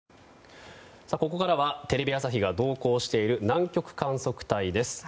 ここからはテレビ朝日が同行している南極観測隊です。